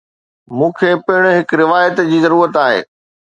مون کي پڻ هڪ روايت جي ضرورت آهي.